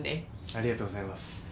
ありがとうございます。